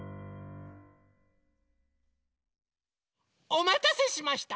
おまたせしました！